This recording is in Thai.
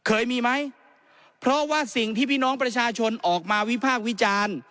เคยมีไหมเพราะว่าสิ่งที่พี่น้องประชาชนออกมาวิพากษ์วิจารณ์